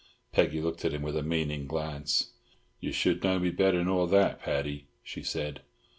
Peggy looked at him with a meaning glance. "Ye should know me better nor that, Paddy," she said.